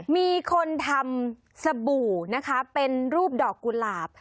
มีคนทำสบู่นะคะเป็นรูปดอกกุหลาบ